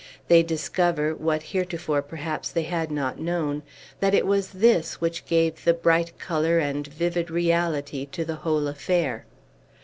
They discover (what heretofore, perhaps, they had not known) that it was this which gave the bright color and vivid reality to the whole affair.